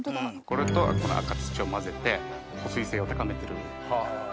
これとこの赤土を混ぜて保水性を高めてる。